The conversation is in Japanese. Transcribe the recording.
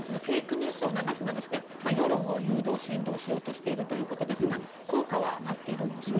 ニュースを流すなどして世論を誘導、扇動しようとしているということですが効果は上がっているんでしょうか。